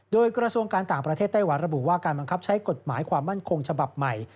โดยกระทรวงการต่างประเทศไต้หวันระบุว่าการบังคับใช้กฎหมายความมั่นคงฉบับใหม่